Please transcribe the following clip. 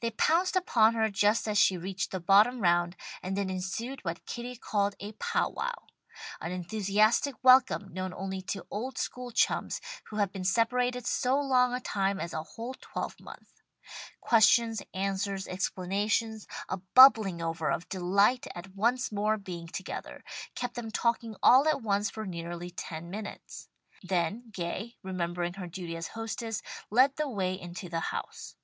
They pounced upon her just as she reached the bottom round, and then ensued what Kitty called a pow wow an enthusiastic welcome known only to old school chums who have been separated so long a time as a whole twelvemonth. Questions, answers, explanations, a bubbling over of delight at once more being together, kept them talking all at once for nearly ten minutes. Then Gay, remembering her duty as hostess led the way into the house.